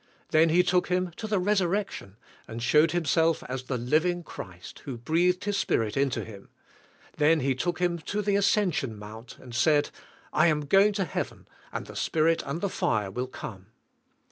Then He took him to the resurrection and showed Himself as the living Christ, who breathed His Spirit into him; then He took him to the ascension mount and said, I am going to heaven and the Spirit and the fire will come.